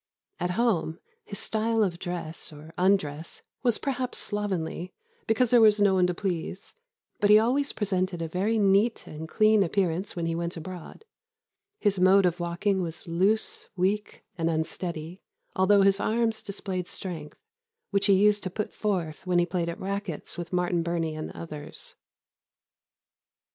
At home, his style of dress (or undress) was perhaps slovenly, because there was no one to please; but he always presented a very neat and clean appearance when he went abroad. His mode of walking was loose, weak, and unsteady, although his arms displayed strength, which he used to put forth when he played at racquets with Martin Burney and others."